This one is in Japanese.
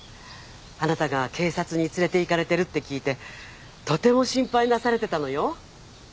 あなたが警察に連れていかれてるって聞いてとても心配なされてたのよ